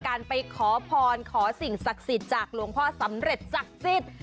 การไปขอพรขอสิ่งศักดิ์สิทธิ์จากหลวงพ่อสำเร็จศักดิ์สิทธิ์